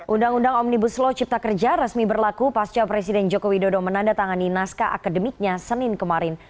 undang undang omnibus law cipta kerja resmi berlaku pasca presiden joko widodo menandatangani naskah akademiknya senin kemarin